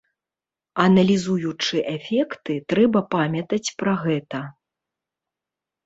Аналізуючы эфекты, трэба памятаць пра гэта.